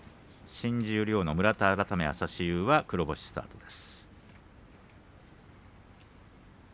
新十両の朝志雄は黒星スタートです。